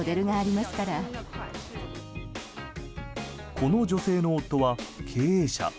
この女性の夫は経営者。